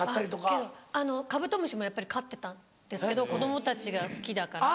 けどカブトムシもやっぱり飼ってたんですけど子供たちが好きだから。